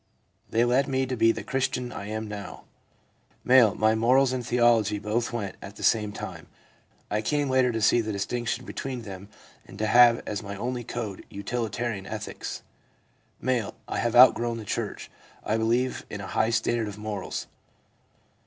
They led me to be the Christian I am now.' M. c My morals and theology both went at the same time. I came later to see the distinction between them and to have as my only code utilitarian ethics.' M. ' I have outgrown the church. I believe in a high standard of morals.